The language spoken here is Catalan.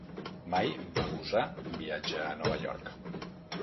Mai va gosar viatjar a Nova York,